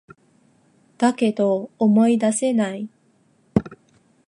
だけど、思い出せない